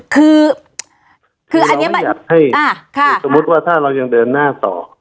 คือเราไม่อยากให้สมมุติว่าถ้าเรายังเดินหน้าต่อ